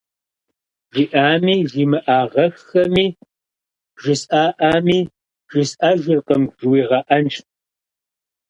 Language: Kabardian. Жиӏами жимыӏагъэххэми, жысӏаӏами, жысӏэжыркъым жыуигъэӏэнщ.